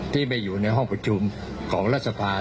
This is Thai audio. ที่ไปอยู่ในห้องประชุมของรัฐสภา